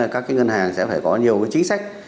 các cái ngân hàng sẽ phải có nhiều cái chính sách